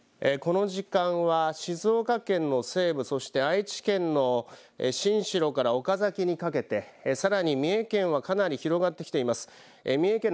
この時間は静岡県の西部そして愛知県の新城から岡崎にかけてさらに三重県はかなり広がってきています。